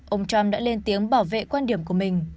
ông trump đã lên tiếng bảo vệ quan điểm của mình